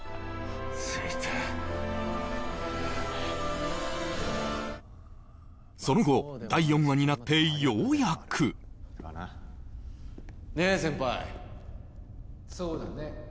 着いたその後第４話になってようやくねえ先輩そうだね